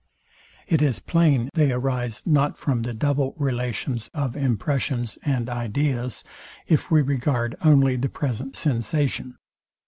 It is plain they arise not from the double relations of impressions and ideas, if we regard only the present sensation.